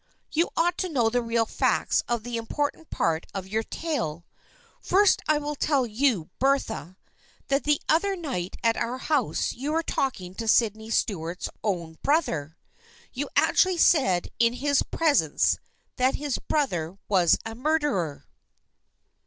You ought to know the real facts of the important part of your tale. First I will tell you, Bertha, that the other night at our house, you were talking to Sydney Stuart's own brother. You actually said in his presence that his brother was a murderer."